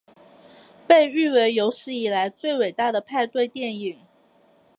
被誉为有史以来最伟大的派对电影。